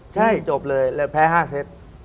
ใช่จบเลยแล้วแพ้๕เซต